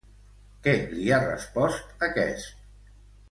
Què li ha respost aquest?